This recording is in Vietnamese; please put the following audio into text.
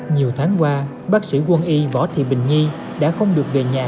nhiều tháng qua bác sĩ quân y võ thị bình nhi đã không được về nhà